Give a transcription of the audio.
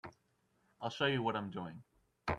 I'll show you what I'm doing.